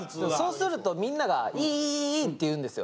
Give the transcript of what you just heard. そうするとみんなが「いいいいいい」って言うんですよ。